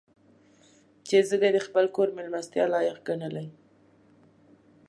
چې زه دې د خپل کور مېلمستیا لایق ګڼلی.